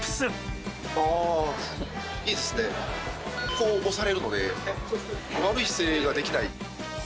こう押されるので悪い姿勢ができない。